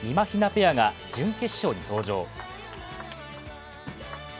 ひなペアが準決勝に登場。